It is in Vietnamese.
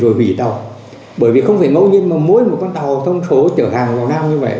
không phải chiến đấu bởi vì không phải ngẫu nhiên mà mỗi một con tàu thông số chở hàng vào nam như vậy